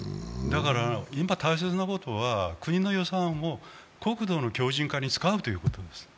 今大切なことは国の予算を国土の強じん化に使うということです。